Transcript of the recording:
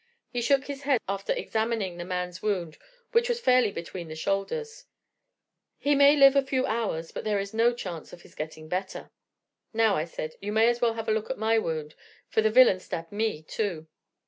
He shook his head after examining the man's wound, which was fairly between the shoulders. "'He may live a few hours, but there is no chance of his getting better.' "'Now,' I said, 'you may as well have a look at my wound, for the villain stabbed me too.'